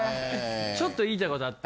ちょっと言いたい事あって。